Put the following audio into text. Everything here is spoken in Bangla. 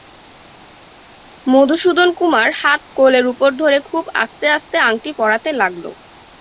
মধুসূদন কুমুর হাত কোলের উপর ধরে খুব আস্তে আস্তে আংটি পরাতে লাগল।